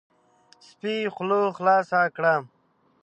سپي خوله خلاصه کړه،